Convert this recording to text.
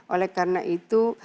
oleh karena itu